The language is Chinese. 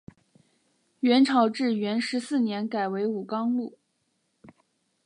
元朝至元十四年改为武冈路。